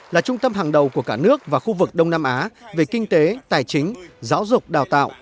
là trung tâm hàng đầu của cả nước và khu vực đông nam á về kinh tế tài chính giáo dục đào tạo